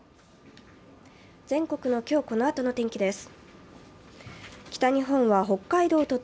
全国の今日このあとの天気です。